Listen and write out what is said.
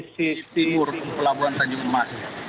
sisi timur pelabuhan tanjung emas